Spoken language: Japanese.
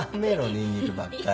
ニンニクばっかり。